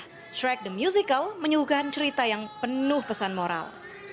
the track the musical menyuguhkan cerita yang penuh pesan moral